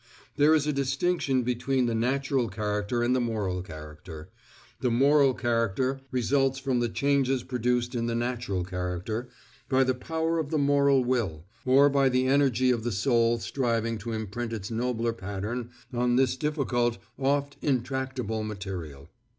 There is a distinction between the natural character and the moral character; the moral character results from the changes produced in the natural character, by the power of the moral will, or by the energy of the soul striving to imprint its nobler pattern on this difficult, oft intractable material.